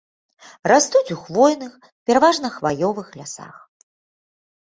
Растуць у хвойных, пераважна хваёвых лясах.